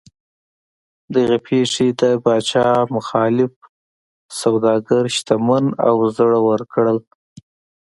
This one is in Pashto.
دغې پېښې د پاچا مخالف سوداګر شتمن او زړور کړل.